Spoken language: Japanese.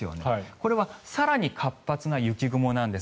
これは更に活発な雪雲なんです。